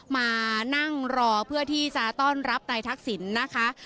มานั่งรอเพื่อที่จะต้อนรับนายทักษิณนะคะ